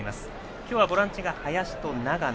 今日はボランチが林と長野。